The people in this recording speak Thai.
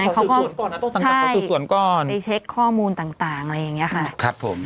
เขาก็ใช่ไปเช็กข้อมูลต่างอะไรอย่างนี้ค่ะครับผม